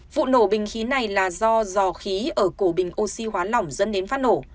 vụ nổ bình khí này là do dò khí ở cổ bình oxy hóa lỏng dẫn đến phát nổ